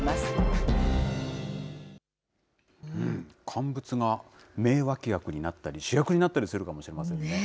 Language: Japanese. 乾物が名脇役になったり、主役になったりするかもしれませんね。